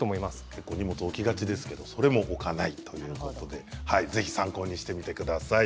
結構荷物置きがちですけどそれも置かないということでぜひ参考にしてみてください。